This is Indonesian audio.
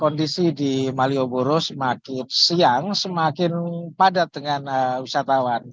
kondisi di malioboro semakin siang semakin padat dengan wisatawan